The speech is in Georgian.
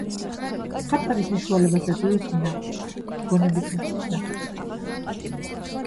მხატვარი საშუალებას აძლევს მნახველს, გონებით მიხვდეს ნახატის ჩანაფიქრს.